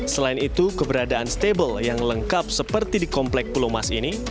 selain itu keberadaan stable yang lengkap seperti di komplek pulau mas ini